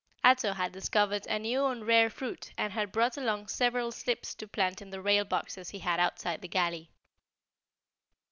Ato had discovered a new and rare fruit and had brought along several slips to plant in the rail boxes he had outside the galley.